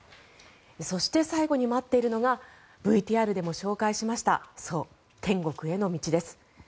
そして、最後に待っているのがＶＴＲでも紹介しましたそう、天国への道です。